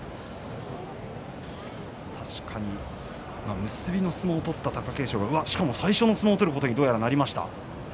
確かに結びの相撲を取った貴景勝が最初の相撲を取ることにどうやらなりました。